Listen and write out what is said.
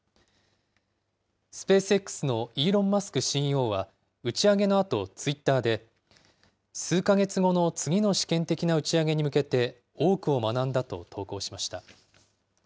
スペースＸのイーロン・マスクＣＥＯは、打ち上げのあと、ツイッターで、数か月後の次の試験的な打ち上げに向けて多くを学んだと投稿しました。